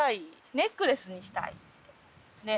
ネックレスにしたい。ね。